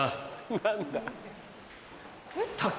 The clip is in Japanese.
何だ？